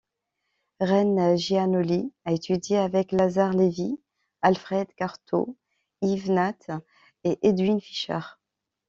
Reine Gianoli a étudié avec Lazare Lévy, Alfred Cortot, Yves Nat et Edwin Fischer.